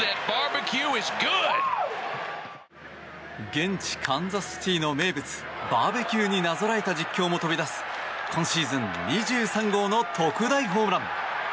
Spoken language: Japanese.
現地カンザスシティーの名物バーベキューになぞらえた実況も飛び出す今シーズン２３号の特大ホームラン。